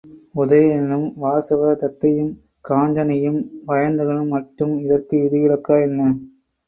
உதயணனும் வாசவதத்தையும் காஞ்சனையும் வயந்தகனும் மட்டும் இதற்கு விதி விலக்கா என்ன?